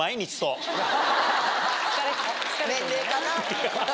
年齢かな。